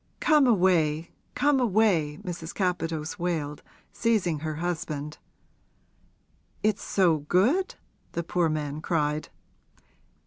Come away come away!' Mrs. Capadose wailed, seizing her husband. 'It's so good?' the poor man cried.